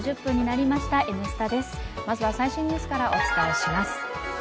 まずは最新ニュースからお伝えします。